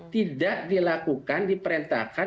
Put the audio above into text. tidak dilakukan diperintahkan